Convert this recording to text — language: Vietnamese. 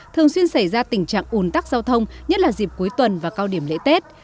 thường xuyên xảy ra tình trạng ủn tắc giao thông nhất là dịp cuối tuần và cao điểm lễ tết